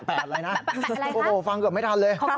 ๘อะไรนะเปล่าเคยไม่ทันเลย